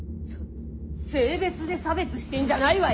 性別で差別してんじゃないわよ！